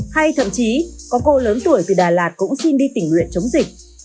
hay thậm chí có cô lớn tuổi từ đà lạt cũng xin đi tỉnh luyện chống dịch